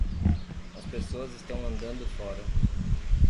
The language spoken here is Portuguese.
As pessoas estão andando fora.